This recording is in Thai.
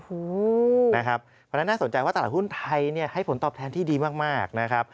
เพราะฉะนั้นน่าสนใจว่าตลาดหุ้นไทยให้ผลตอบแทนที่ดีมากนะครับ